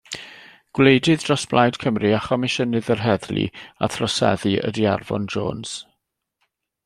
Gwleidydd dros Blaid Cymru a Chomisiynydd yr Heddlu a Throseddu ydy Arfon Jones.